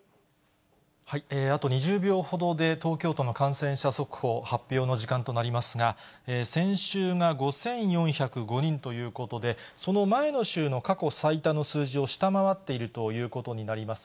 あと２０秒ほどで、東京都の感染者速報、発表の時間となりますが、先週が５４０５人ということで、その前の週の過去最多の数字を下回っているということになります